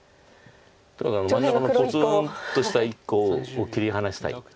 だから真ん中のぽつんとした１個を切り離したい。